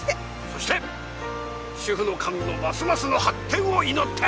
そして主婦の勘のますますの発展を祈って！